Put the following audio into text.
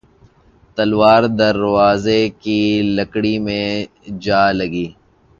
تلوار دروازے کی لکڑی میں جا لگی